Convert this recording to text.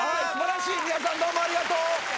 皆さんどうもありがとう。